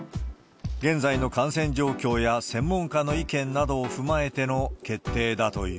現在の感染状況や専門家の意見などを踏まえての決定だという。